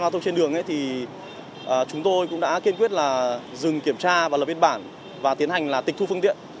thường thì chúng tôi cũng đã kiên quyết là dừng kiểm tra và lập biên bản và tiến hành là tịch thu phương tiện